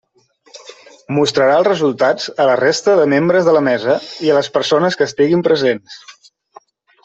Mostrarà el resultat a la resta de membres de la mesa i a les persones que estiguin presents.